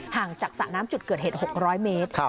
ห่างจากสระน้ำจุดเกิดเหตุ๖๐๐เมตร